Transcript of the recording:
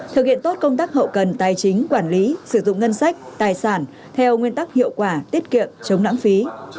thực hiện tốt công tác hậu cần tài chính quản lý sử dụng ngân sách tài sản theo nguyên tắc hiệu quả tiết kiệm chống lãng phí